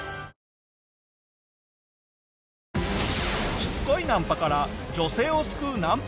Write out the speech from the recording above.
しつこいナンパから女性を救うナンパ